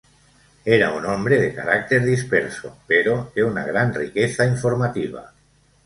Era un hombre de carácter disperso pero de una gran riqueza informativa.